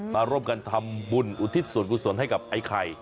มารบกันทำบุญอุทิศส่วนให้กับไอ้ไข่